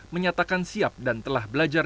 menyatakan siap dan telah belajar